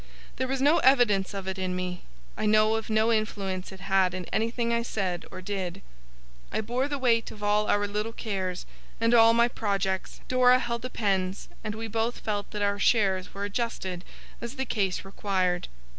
There was no evidence of it in me; I know of no influence it had in anything I said or did. I bore the weight of all our little cares, and all my projects; Dora held the pens; and we both felt that our shares were adjusted as the case required.